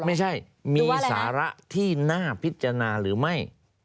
ไม่ใช่มีสาระที่น่าพิจารณาหรือไม่